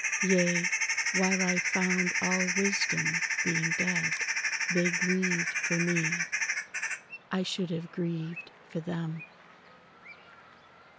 Yea, while I found all wisdom (being dead),They grieved for me … I should have grieved for them!